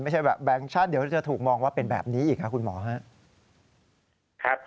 ไม่ใช่แบบแบงค์ชั่นเดี๋ยวจะถูกมองว่าเป็นแบบนี้อีกครับคุณหมอครับ